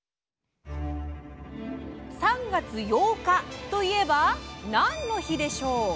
３月８日といえば何の日でしょう？